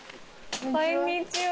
こんにちは。